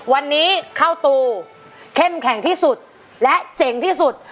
วันนี้ข้าวตูเข้มแข็งที่สุดและเจ๋งที่สุด